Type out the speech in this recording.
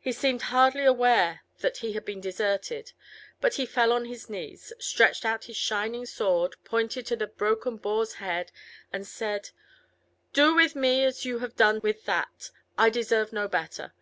He seemed hardly aware that he had been deserted, but he fell on his knees, stretched out his shining sword, pointed to the broken boar's head, and said, "Do with me as you have done with that; I deserve no better.